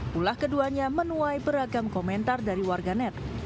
pula keduanya menuai beragam komentar dari warga net